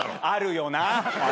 あるよな。